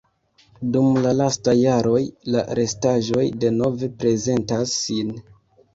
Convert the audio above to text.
Dum la lastaj jaroj la restaĵoj denove prezentas sin.